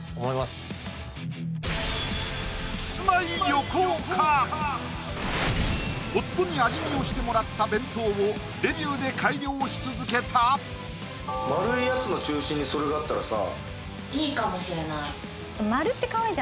横尾か⁉夫に味見をしてもらった弁当をレビューで改良し続けた丸いやつの中心にそれがあったらさ